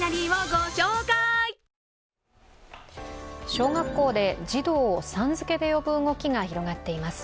小学校で児童をさん付けで呼ぶ動きが広がっています。